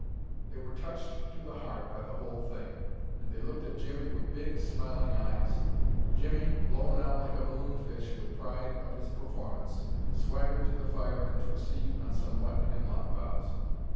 They were touched to the heart by the whole thing, and they looked at Jimmie with big, smiling eyes. Jimmie, blown out like a balloon fish with pride of his performance, swaggered to the fire and took seat on some wet hemlock boughs.